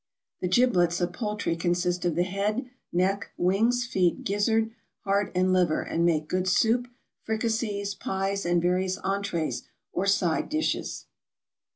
The giblets of poultry consist of the head, neck, wings, feet, gizzard, heart, and liver; and make good soup, fricassees, pies, and various entrées, or side dishes.